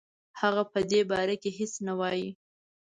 هغه په دې باره کې هیڅ نه وايي.